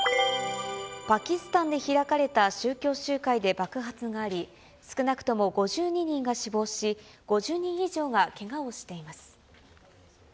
パキスタンで開かれた宗教集会で爆発があり、少なくとも５２人が死亡し、５０人以上がけがをしています。